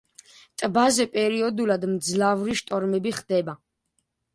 ტბაზე პერიოდულად მძლავრი შტორმები ხდება.